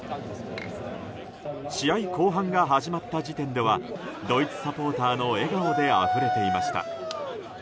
試合後半が始まった時点ではドイツサポーターの笑顔であふれていました。